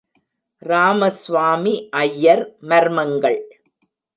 ராமஸ்வாமி ஐயர் மர்மங்கள்.